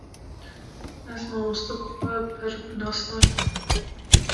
Ez mamoste bi xwe pir nas nakim